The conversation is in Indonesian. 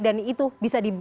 dan itu bisa lebih dibuat